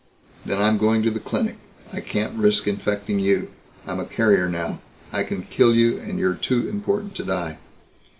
"Then I'm going to the clinic. I can't risk infecting you. I'm a carrier now. I can kill you, and you're too important to die."